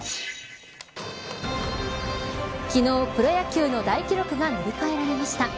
昨日、プロ野球の大記録が塗り替えられました。